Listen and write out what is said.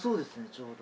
ちょうど。